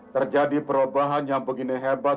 terjadi perubahan yang begini hebat